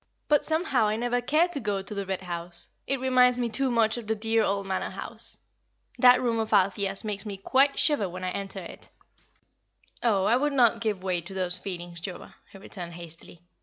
But somehow I never care to go to the Red House; it reminds me too much of the dear old Manor House. That room of Althea's makes me quite shiver when I enter it." "Oh, I would not give way to those feelings, Joa," he returned, hastily.